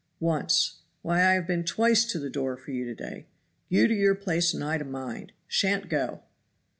"Once! why I have been twice to the door for you to day. You to your place and I to mine. Shan't go!"